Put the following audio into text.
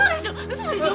嘘でしょ！！